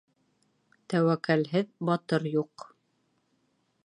Тәүәккәлһеҙ батыр юҡ.